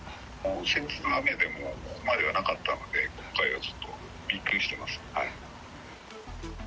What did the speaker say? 先日の雨でも、ここまではなかったので、今回はちょっとびっくりしてます。